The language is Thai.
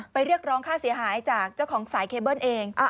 เรียกร้องค่าเสียหายจากเจ้าของสายเคเบิ้ลเอง